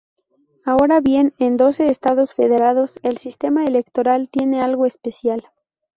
Ahora bien, en doce Estados federados el sistema electoral tiene algo especial.